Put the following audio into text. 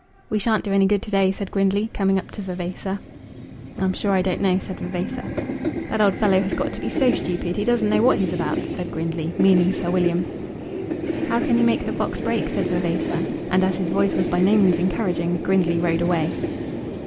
"We shan't do any good to day," said Grindley, coming up to Vavasor. "I'm sure I don't know," said Vavasor. "That old fellow has got to be so stupid, he doesn't know what he's about," said Grindley, meaning Sir William. "How can he make the fox break?" said Vavasor; and as his voice was by no means encouraging Grindley rode away.